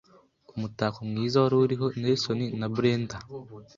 umutako mwiza wari uriho Nelson na Brendah